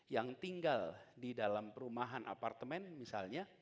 yang tinggal di dalam perumahan apartemen misalnya